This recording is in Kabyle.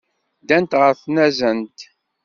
Ddant ɣer tnazent.